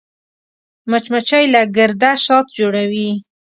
مچمچۍ له ګرده شات جوړوي